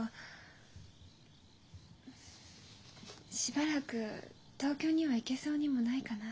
しばらく東京には行けそうにもないかな。